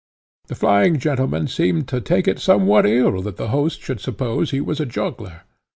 The flying gentleman seemed to take it somewhat ill that the host should suppose he was a juggler.